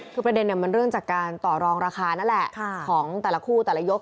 คือประเด็นมันเรื่องจากการต่อรองราคานั่นแหละของแต่ละคู่แต่ละยก